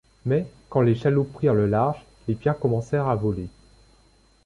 Mais, quand les chaloupes prirent le large, les pierres commencèrent à voler.